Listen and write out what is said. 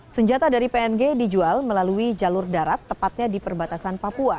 senjata dari png dijual melalui jalur darat tepatnya di perbatasan papua